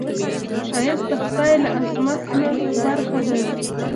ښایست د خدای له عظمت نه برخه ده